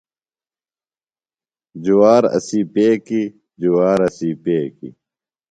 جوار اسی پیکِیۡ ، جوار اسی پیکِیۡ